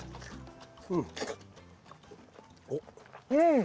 うん！